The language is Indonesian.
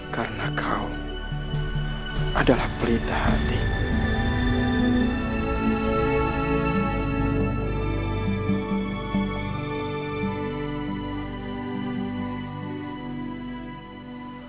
karena kau adalah pelita hatimu